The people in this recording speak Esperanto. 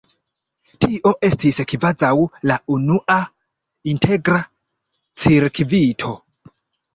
Tio estis kvazaŭ la unua integra cirkvito.